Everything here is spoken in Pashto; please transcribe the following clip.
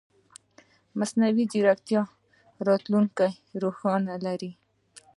مصنوعي ځیرکتیا راتلونکې روښانه لري.